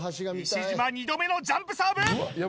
石島２度目のジャンプサーブ